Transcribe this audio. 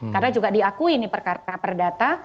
karena juga diakui ini perkara perdata